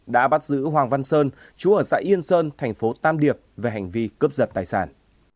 đã bắt giữ hoàng văn sơn chú ở xã yên sơn thành phố tam điệp về hành vi cướp giật tài sản